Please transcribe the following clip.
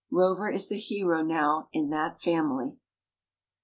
Rover is the hero now in that family.